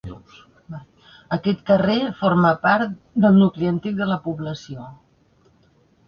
Aquest carrer forma part del nucli antic de la població.